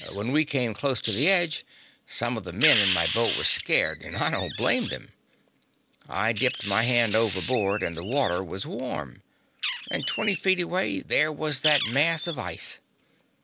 When we came close to the edge some of the men in my boat were scared, and I don't blame them. I'd dipped my hand overboard and the water was warm and twenty feet away there was that mass of ice!